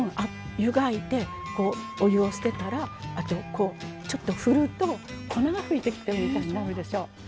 湯がいてこうお湯を捨てたらあとこうちょっとふると粉がふいてきたみたいになるでしょう。